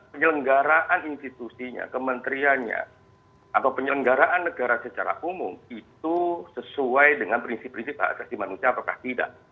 penyelenggaraan institusinya kementeriannya atau penyelenggaraan negara secara umum itu sesuai dengan prinsip prinsip hak asasi manusia apakah tidak